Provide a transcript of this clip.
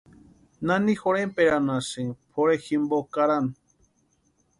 ¿Nani jorhenperanhasïni pʼorhe jimpo karani?